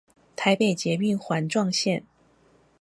台北捷運環狀線